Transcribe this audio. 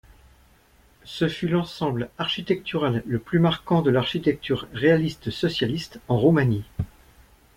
Ce fut l'ensemble architectural le plus marquant de l’architecture réaliste socialiste en Roumanie.